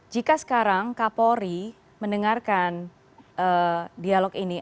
jika sekarang kak polri mendengarkan dialog ini